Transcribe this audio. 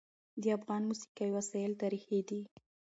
د افغان موسیقي وسایل تاریخي دي.